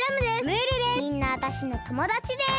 みんなわたしのともだちです！